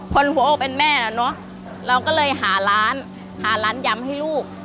คนโห่เป็นแม่นะเราก็เลยหาร้านหาร้านยำให้ลูก